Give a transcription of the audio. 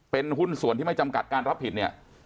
เป็นหุ้นส่วนที่ไม่จำกัดการรับผิดเนี่ย